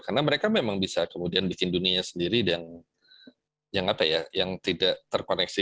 karena mereka memang bisa kemudian bikin dunia sendiri dan yang apa ya yang tidak terkoneksi